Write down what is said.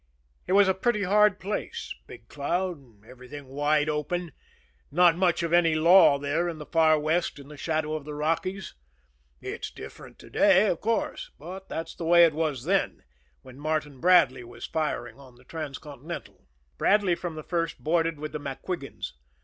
It was a pretty hard place, Big Cloud everything wide open not much of any law there in the far West in the shadow of the Rockies. It's different to day, of course; but that's the way it was then, when Martin Bradley was firing on the Transcontinental. Bradley from the first boarded with the MacQuigans.